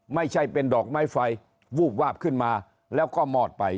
ไม่ใช่เป็นดอกไม้ไฟวูบวาบขึ้นมาแล้วก็มอดไป